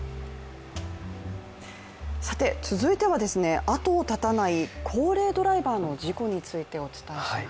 続いては、後を絶たない高齢ドライバーの事故についてお伝えします。